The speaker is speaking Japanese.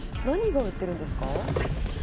何が売ってるんですか？